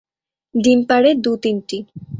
ডিম পাড়ে দু-তিনটি।